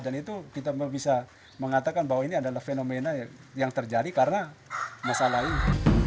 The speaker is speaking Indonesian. dan itu kita bisa mengatakan bahwa ini adalah fenomena yang terjadi karena masalah ini